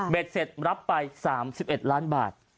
เสร็จรับไป๓๑ล้านบาท